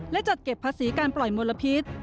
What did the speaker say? และจัดเก็บภาษีการปล่อยมลพิษ